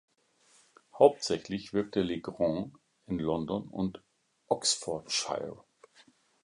Hauptsächlich wirkte Legrand in London und Oxfordshire.